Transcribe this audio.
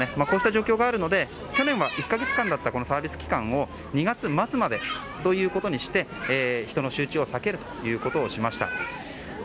こうした状況があるので去年は１か月間だったサービス期間を２月末までということにして人の集中を避けるということをしました。